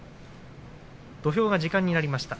土俵が時間になりました。